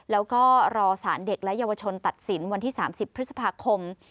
แล้วก็รอสารเด็กและเยาวชนตัดสินวันที่๓๐พฤษภาคม